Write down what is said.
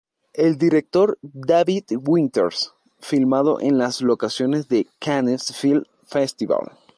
El director, David Winters, filmado en las locaciones de Cannes Film Festival.